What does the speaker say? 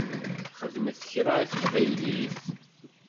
Xedmen kra i teqbaylit?